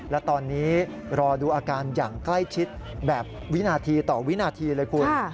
และตอนนี้รอดูอาการอย่างใกล้ชิดแบบวินาทีต่อวินาทีเลยคุณ